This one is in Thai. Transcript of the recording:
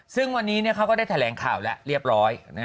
ซึ่งวันนี้เขาก็ได้แถลงข่าวแล้วเรียบร้อย